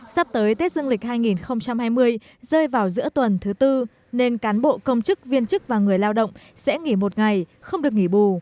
sắp tới tết dương lịch hai nghìn hai mươi rơi vào giữa tuần thứ tư nên cán bộ công chức viên chức và người lao động sẽ nghỉ một ngày không được nghỉ bù